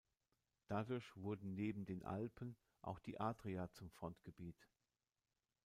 Dadurch wurden neben den Alpen auch die Adria zum Frontgebiet.